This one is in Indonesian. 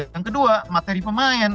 yang kedua materi pemain